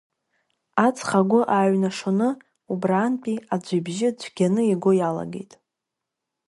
Аҵх агәы ааҩнашоны, убраантәи аӡәы ибжьы цәгьаны иго иалагеит.